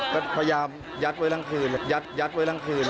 ก็พยายามยัดไว้ทั้งคืนยัดไว้ทั้งคืน